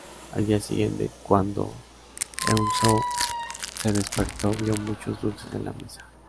Al día siguiente, cuando Eun-soo se despertó vio muchos dulces en la mesa.